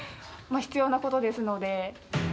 必要なことですので。